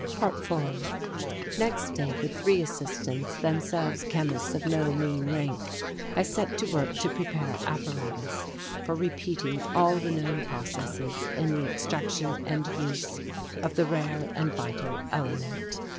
~4~ Next day with three assistants, themselves chemists of no mean rank, I set to work to prepare apparatus for repeating all the known processes in the extraction and use of the rare and vital element.